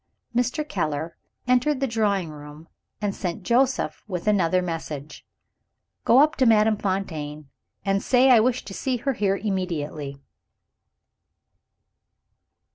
Mr. Keller entered the drawing room, and sent Joseph with another message. "Go up to Madame Fontaine, and say I wish to see her here immediately."